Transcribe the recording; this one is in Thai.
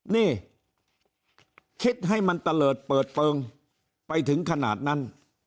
นี่คิดให้มันตะเลิศเปิดเปิงไปถึงขนาดนั้น